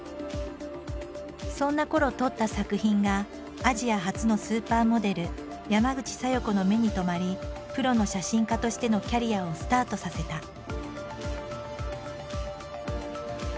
そんなころ撮った作品がアジア初のスーパーモデル山口小夜子の目に留まりプロの写真家としてのキャリアをスタートさせた。